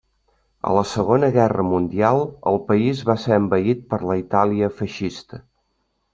A la Segona Guerra Mundial el país va ser envaït per la Itàlia feixista.